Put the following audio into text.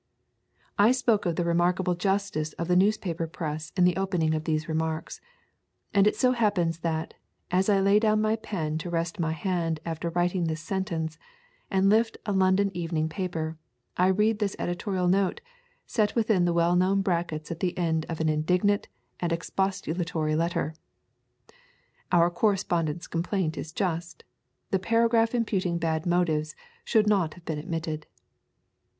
I spoke of the remarkable justice of the newspaper press in the opening of these remarks. And it so happens that, as I lay down my pen to rest my hand after writing this sentence and lift a London evening paper, I read this editorial note, set within the well known brackets at the end of an indignant and expostulatory letter: ['Our correspondent's complaint is just. The paragraph imputing bad motives should not have been admitted.'